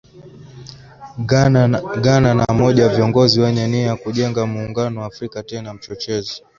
Ghana na mmoja wa viongozi wenye nia ya kujenga Muungano wa Afrika tena mchochezi